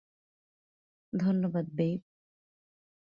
ধন্যবাদ, বেইব।